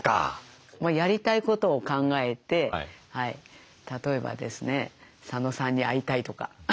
やりたいことを考えて例えばですね佐野さんに会いたいとか。